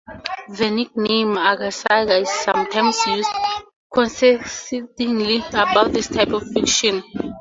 The nickname "Aga saga" is sometimes used condescendingly about this type of fiction.